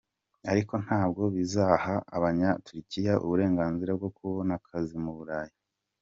Ariko ntabwo bizaha abanya Turukiya uburenganzira bwo kubona akazi mu Burayi.